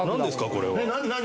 これは何？